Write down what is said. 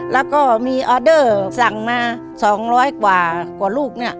แล้วก็มีออเดอร์สั่งมา๒๐๐กว่าลูกเนี่ย